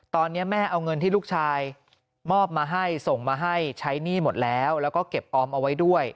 ตอนนี้แม่เอาเงินที่ลูกชายมอบมาให้ส่งมาให้ใช้หนี้หมดแล้วแล้วก็เก็บออมเอาไว้ด้วย